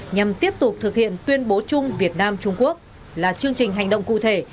nhằm tiếp tục thực hiện tuyên bố chung việt nam trung quốc là chương trình hành động cụ thể